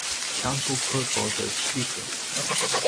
Council protocols are secret.